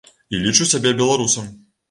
І лічу сябе беларусам.